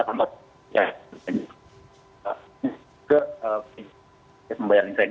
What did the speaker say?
tema pengajuan kredit bagaimana kata pak mbak